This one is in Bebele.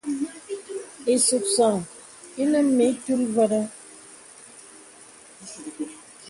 Ìsùksaŋ ìnə mə ìtul və̄nə̄.